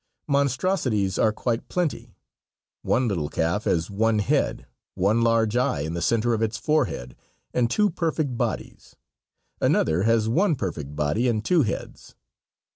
Monstrosities are quite plenty. One little calf has one head, one large eye in the center of its forehead, and two perfect bodies. Another has one perfect body and two heads.